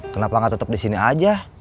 kenapa gak tetep disini aja